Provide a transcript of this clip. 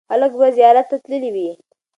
خلکو به یې زیارت ته تللي وي.